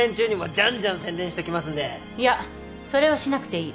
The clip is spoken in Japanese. いやそれはしなくていい。